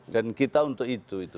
dan kita untuk itu